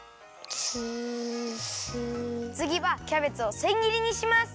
つぎはキャベツをせんぎりにします。